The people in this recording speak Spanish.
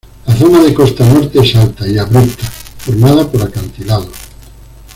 La zona de costa norte es alta y abrupta, formada por acantilados.